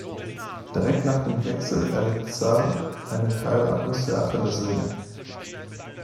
Direkt nach dem Wechsel erlitt Sall einen Teilabriss der Achillessehne.